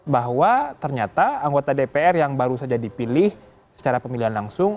bahwa ternyata anggota dpr yang baru saja dipilih secara pemilihan langsung